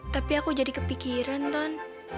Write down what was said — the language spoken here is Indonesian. tapi aku jadi kepikiran ton